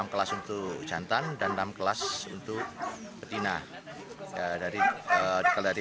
enam kelas untuk jantan dan enam kelas untuk betina